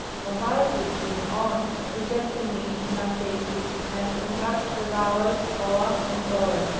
Comparatives in cjv reject the r, in some cases, and contract the vowels oa and os (§3).